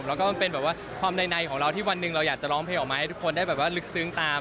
แล้วก็เป็นความใดของเราที่วันหนึ่งเราอยากจะร้องเพลงออกมาให้ทุกคนได้ลึกซึ้งตาม